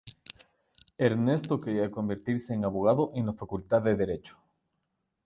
Ernesto quería convertirse en abogado en la Facultad de Derecho.